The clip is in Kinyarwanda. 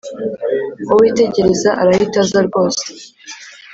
Wowe tegereza arahita aza rwose